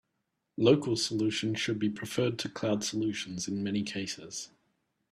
Local solutions should be preferred to cloud solutions in many cases.